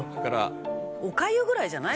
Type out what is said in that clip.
「おかゆぐらいじゃない？